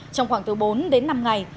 trong khoảng từ bốn đến năm ngày